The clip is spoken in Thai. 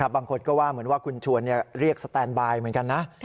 บางคนก็ว่าเหมือนว่าคุณชวนเรียกสแตนบายเหมือนกันนะ